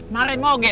maren mau gek